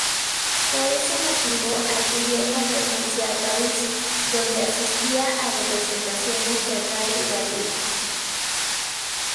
Por ese motivo acudió con frecuencia a París, donde asistía a representaciones teatrales gratuitas.